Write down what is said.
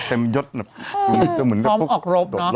เป็นเหมือนเต็มยกหร่มออกรบ